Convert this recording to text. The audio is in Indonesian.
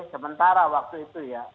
sementara waktu itu ya